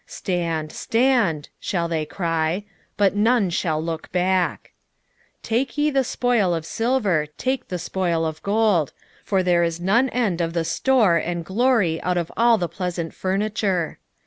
Stand, stand, shall they cry; but none shall look back. 2:9 Take ye the spoil of silver, take the spoil of gold: for there is none end of the store and glory out of all the pleasant furniture.